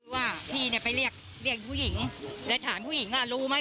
ว่าพี่เนี่ยไปเรียกเรียกผู้หญิงและฐานผู้หญิงอ่ะรู้ไหม